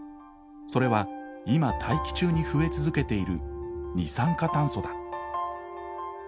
それは今大気中に増え続けている二酸化炭素だ。